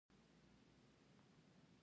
باران د افغانستان د ځمکې د جوړښت نښه ده.